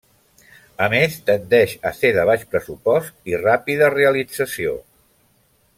A més, tendeix a ser de baix pressupost i ràpida realització.